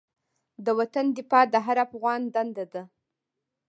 د وطن دفاع د هر افغان دنده ده.